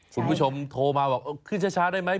คุณผู้ชมโทรมาบอกขึ้นช้าได้ไหม